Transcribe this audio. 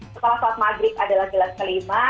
setelah sholat maghrib adalah gelas kelima